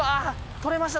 取れました！